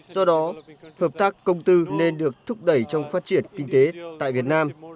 do đó hợp tác công tư nên được thúc đẩy trong phát triển kinh tế tại việt nam